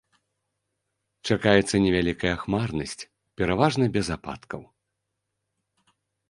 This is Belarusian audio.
Чакаецца невялікая хмарнасць, пераважна без ападкаў.